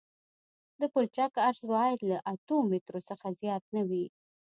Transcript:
د پلچک عرض باید له اتو مترو څخه زیات نه وي